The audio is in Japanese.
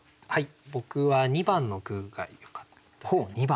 僕は２番の句がよかったです。